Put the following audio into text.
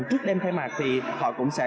trước đêm thay mạc thì họ cũng sẽ